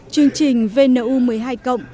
chương trình vnu một mươi hai cộng